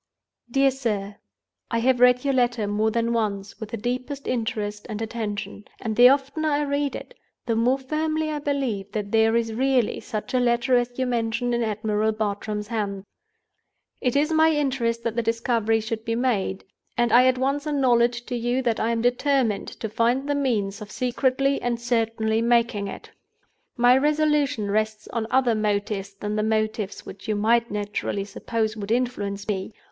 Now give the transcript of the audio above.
"DEAR SIR, "I have read your letter more than once, with the deepest interest and attention; and the oftener I read it, the more firmly I believe that there is really such a Letter as you mention in Admiral Bartram's hands. "It is my interest that the discovery should be made, and I at once acknowledge to you that I am determined to find the means of secretly and certainly making it. My resolution rests on other motives than the motives which you might naturally suppose would influence me.